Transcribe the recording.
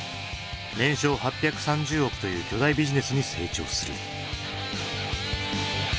年商８３０億という巨大ビジネスに成長する。